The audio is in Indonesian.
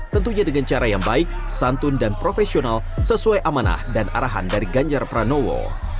tentunya dengan cara yang baik santun dan profesional sesuai amanah dan arahan dari ganjar pranowo